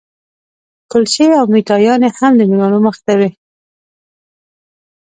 کلچې او میټایانې هم د مېلمنو مخې ته وې.